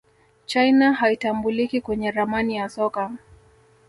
china haitambuliki kwenye ramani ya soka